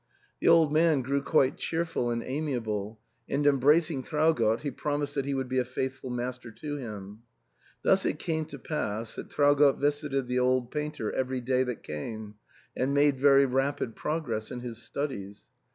The old man grew quite cheerful and amiable ; and embrac ing Traugott, he promised that he would be a faithful master to him. Thus ' it came to pass that Traugott visited the old painter every day that came, and made very rapid progress in his studies.